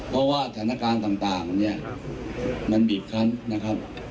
เพราะว่าสถานการณ์ต่างเนี่ยมันบีบคันนะครับ